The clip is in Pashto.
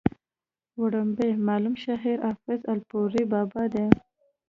وړومبی معلوم شاعر حافظ الپورۍ بابا دی